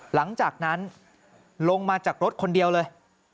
หลังจากนั้นลงมาจากรถคนเดียวเลย